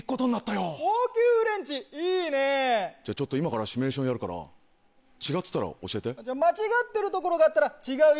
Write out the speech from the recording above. じゃあちょっと今からシミュレーションやるから違ってたら教えて。